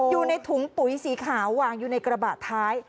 อยู่ในถุงปุ๋ยสีขาววางอยู่ในกระบะท้าย